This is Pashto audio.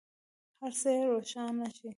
هر څه یې روښانه شي.